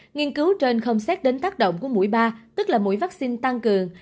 nghiên cứu trên không xét đến tác động của mũi ba tức là mũi vaccine tăng cường